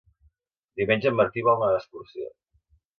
Diumenge en Martí vol anar d'excursió.